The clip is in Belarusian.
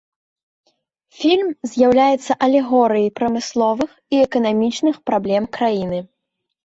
Фільм з'яўляецца алегорыяй прамысловых і эканамічных праблем краіны.